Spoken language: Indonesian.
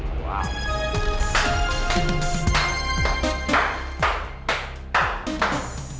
aku paling suka kejutan